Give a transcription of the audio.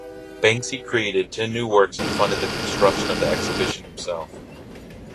Banksy created ten new works and funded the construction of the exhibition himself.